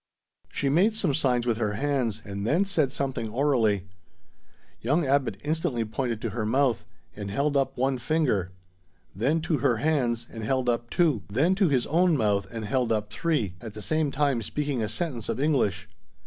She made some signs with her hands, and then said something orally. Young Abbot instantly pointed to her mouth, and held up one finger; then to her hands, and held up two; then to his own mouth, and held up three, at the same time speaking a sentence of English.